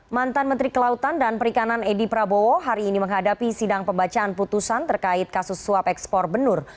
mantan menteri kelautan dan perikanan edi prabowo hari ini menghadapi sidang pembacaan putusan terkait kasus suap ekspor benur